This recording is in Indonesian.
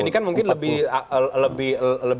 ini kan mungkin lebih